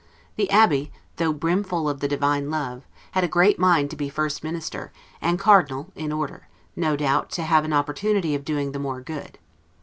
The Abby, though brimful of the divine love, had a great mind to be first minister, and cardinal, in order, NO DOUBT, to have an opportunity of doing the more good.